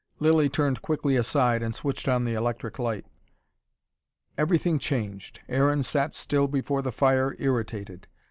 Lilly turned quickly aside, and switched on the electric light. Everything changed. Aaron sat still before the fire, irritated.